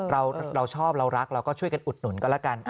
เราชอบเรารักเราก็ช่วยกันอุดหนุนก็แล้วกัน